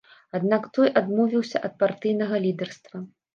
Аднак той адмовіўся ад партыйнага лідарства.